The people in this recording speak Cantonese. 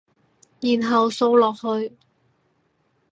然後掃落去